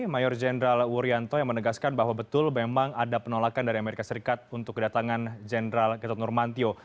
mayor jenderal wuryanto yang menegaskan bahwa betul memang ada penolakan dari amerika serikat untuk kedatangan jenderal gatot nurmantio